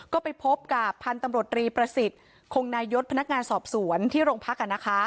ก็ไปพบกับพันธุ์ตำรวจรีประสิทธิ์คงนายศพนักงานสอบสวนที่โรงพัก